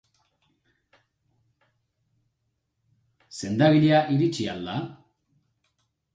Sendagilea iritsi al da?